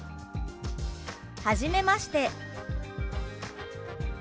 「はじめまして」。